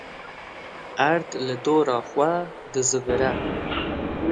Erd li dora xwe dizivire